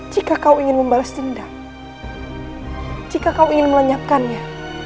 jika kau ingin membalas dendam jika kau ingin melenyapkannya